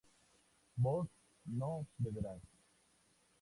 vos no beberás